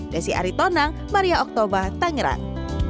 desi aritonang maria oktober tangerang